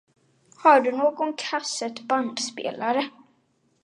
Har du någon kassettbandspelare?